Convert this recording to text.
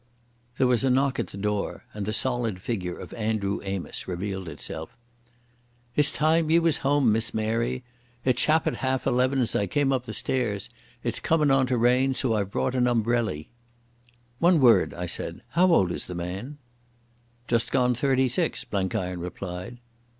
There was a knock at the door and the solid figure of Andrew Amos revealed itself. "It's time ye was home, Miss Mary. It chappit half eleven as I came up the stairs. It's comin' on to rain, so I've brought an umbrelly." "One word," I said. "How old is the man?" "Just gone thirty six," Blenkiron replied.